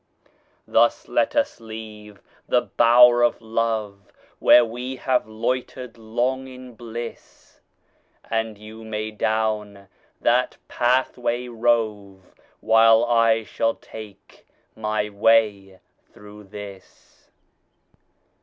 Thus let us leave the bower of love, Where we have loitered long in bliss; And you may down that pathway rove, While I shall take my way through this.